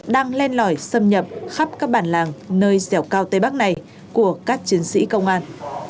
đang len lỏi xâm nhập khắp các bản làng nơi dẻo cao tây bắc này của các chiến sĩ công an